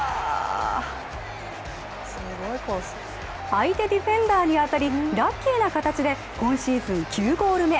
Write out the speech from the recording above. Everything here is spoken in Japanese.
相手ディフェンダーに当たりラッキーな形で今シーズン９ゴール目。